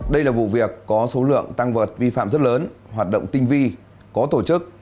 đây là vụ việc có số lượng tăng vật vi phạm rất lớn hoạt động tinh vi có tổ chức